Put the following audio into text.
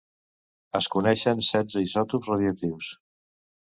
Es coneixen setze isòtops radioactius.